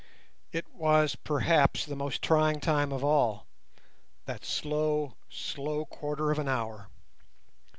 It was, perhaps, the most trying time of all—that slow, slow quarter of an hour.